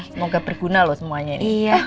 semoga berguna loh semuanya ini